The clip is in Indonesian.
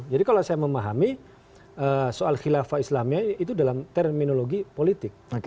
jadi kalau saya memahami soal khilafah islamia itu dalam terminologi politik